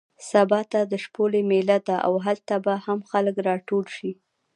سبا ته د شپولې مېله ده او هلته به هم خلک راټول شي.